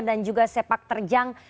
dan juga sepak terjang